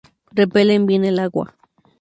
Repelen bien el agua.